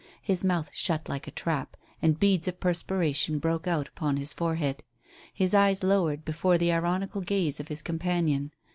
His mouth shut like a trap, and beads of perspiration broke out upon his forehead. His eyes lowered before the ironical gaze of his companion.